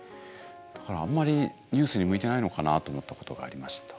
だからあんまりニュースに向いてないのかなと思ったことがありました。